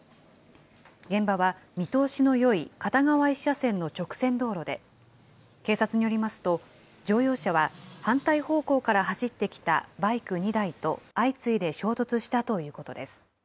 現場は見通しのよい片側１車線の直線道路で、警察によりますと、乗用車は反対方向から走って来たバイク２台と相次いで衝突したということです。